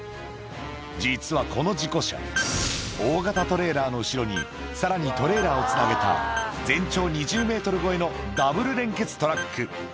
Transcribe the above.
実はこの事故車、大型トレーラーの後ろに、さらにトレーラーをつなげた、全長２０メートル超えのダブル連結トラック。